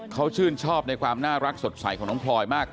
เขาชื่นชอบในความน่ารักสดใสของน้องพลอยมาก